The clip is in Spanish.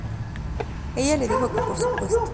Ella le dijo que por supuesto.